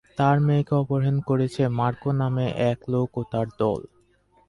তার মেয়েকে অপহরণ করেছে মার্কো নামে এক লোক ও তার দল।